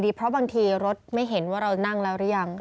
เพราะบางทีรถไม่เห็นว่าเรานั่งแล้วหรือยัง